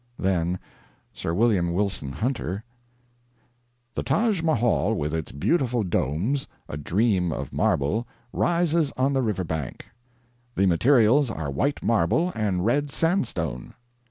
Then Sir William Wilson Hunter: "The Taj Mahal with its beautiful domes, 'a dream of marble,' rises on the river bank." "The materials are white marble and red sandstone."